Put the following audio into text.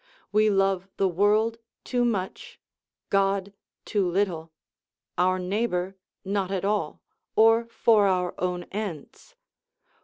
We love the world too much; God too little; our neighbour not at all, or for our own ends.